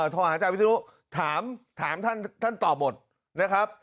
โทรหาอาจารย์วิทยาลุธ์ถามท่านตอบหมดนะครับ